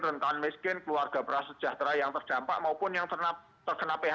rentan miskin keluarga prasejahtera yang terdampak maupun yang terkena phk